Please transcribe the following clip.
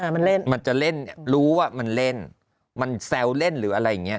มันเล่นมันจะเล่นรู้ว่ามันเล่นมันแซวเล่นหรืออะไรอย่างนี้